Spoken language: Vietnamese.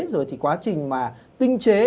rồi thì quá trình mà tinh chế